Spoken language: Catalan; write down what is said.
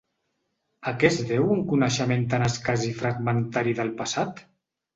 A què es deu un coneixement tan escàs i fragmentari del passat?